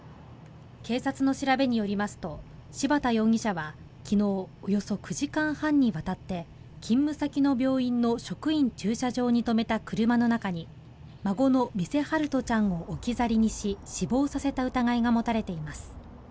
警察の調べによりますと、柴田容疑者は昨日、およそ９時間半にわたって勤務先の病院の職員駐車場に止めた車の中に孫の目瀬陽翔ちゃんを置き去りにし死亡させた疑いが持たれています。